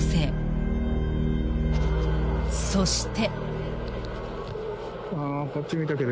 ［そして］